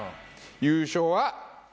優勝は。